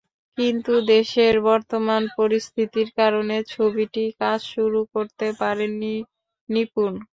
কিন্তু দেশের বর্তমান পরিস্থিতির কারণে ছবিটির কাজ শুরু করতে পারেননি নিপুণ।